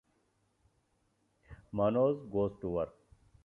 Manoj goes to work.